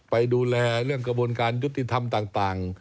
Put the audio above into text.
ไปดูแลเรื่องกระบวนการยุติธรรมต่าง